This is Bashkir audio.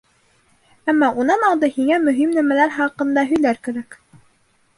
Әммә унан алда һиңә мөһим нәмәләр хаҡында һөйләр кәрәк.